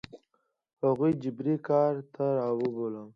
هغوی جبري کار ته رابولم.